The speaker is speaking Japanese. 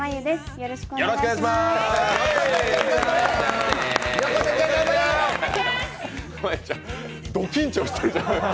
よろしくお願いします。